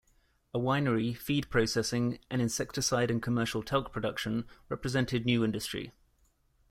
A winery, feed processing, and insecticide and commercial talc production represented new industry.